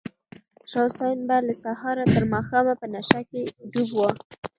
شاه حسین به له سهاره تر ماښامه په نشه کې ډوب و.